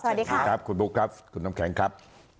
สวัสดีค่ะคุณครับคุณบุ๊คครับคุณน้ำแข็งครับ